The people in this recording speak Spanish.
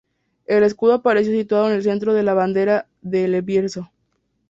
El escudo aparece situado en el centro de la bandera de El Bierzo.